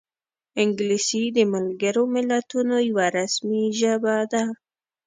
انګلیسي د ملګرو ملتونو یوه رسمي ژبه ده